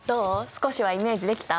少しはイメージできた？